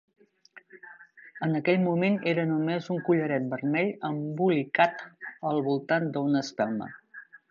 En aquell moment era només un collaret vermell embolicat al voltant d'una espelma.